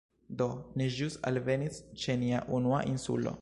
Do, ni ĵus alvenis ĉe nia unua insulo